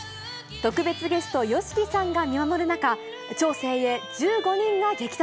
特別ゲスト、ＹＯＳＨＩＫＩさんが見守る中、超精鋭１５人が激突。